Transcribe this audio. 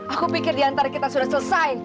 aku pikir diantara kita sudah selesai